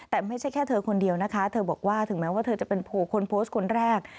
แต่ไม่ใช่แค่เธอคนเดียวนะคะเธอบอกว่าถึงแม้ว่าเธอจะเป็นคนโพสต์คนแรก